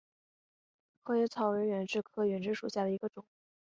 合叶草为远志科远志属下的一个种。